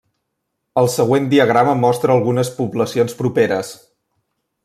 El següent diagrama mostra algunes poblacions properes.